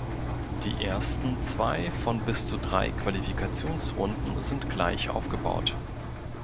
Die ersten zwei von bis zu drei Qualifikationsrunden sind gleich aufgebaut.